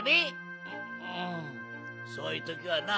そういうときはな